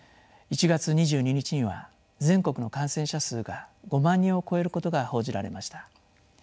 １月２２日には全国の感染者数が５万人を超えることが報じられました。